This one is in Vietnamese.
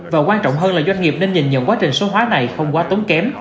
và quan trọng hơn là doanh nghiệp nên nhìn nhận quá trình số hóa này không quá tốn kém